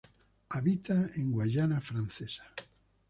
Habita en Guayana Francesa.